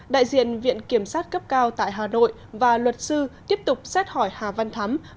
đại diện viện kiểm sát cấp cao tại hà nội và luật sư tiếp tục xét hỏi hà văn thắm